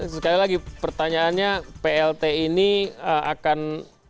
sekali lagi pertanyaannya plt ini akan